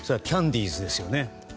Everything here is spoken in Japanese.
キャンディーズですよね。